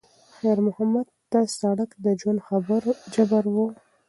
خیر محمد ته سړک د ژوند جبر و.